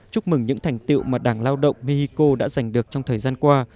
chúc mừng những thành tiệu mà đảng lao động mexico đã giành được trong thời gian qua